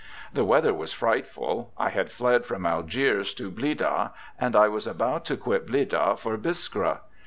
The weather was frightful. I had fled from Algiers to Blidah, and I was about to quit Blidah for Biskra.